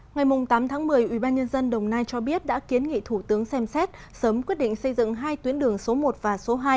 ngày tám tháng một mươi ubnd đồng nai cho biết đã kiến nghị thủ tướng xem xét sớm quyết định xây dựng hai tuyến đường số một và số hai